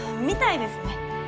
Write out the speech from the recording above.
みたいですね。